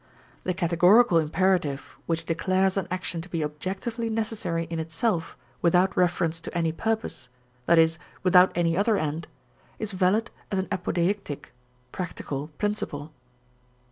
The categorical imperative which declares an action to be objectively necessary in itself without reference to any purpose, i.e., without any other end, is valid as an apodeictic (practical) principle.